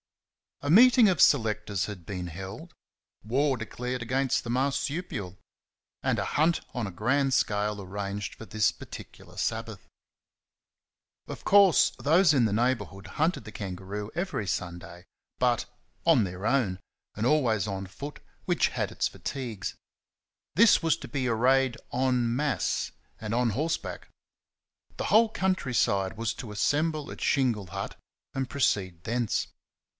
A meeting of selectors had been held; war declared against the marsupial; and a hunt on a grand scale arranged for this particular Sabbath. Of course those in the neighbourhood hunted the kangaroo every Sunday, but "on their own," and always on foot, which had its fatigues. This was to be a raid EN MASSE and on horseback. The whole country side was to assemble at Shingle Hut and proceed thence.